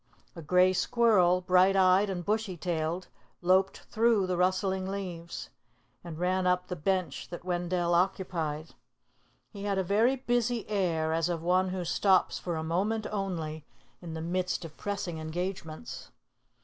A gray squirrel, bright eyed and bushy tailed, loped through the rustling leaves, and ran up the bench that Wendell occupied. He had a very busy air as of one who stops for a moment only, in the midst of pressing engagements.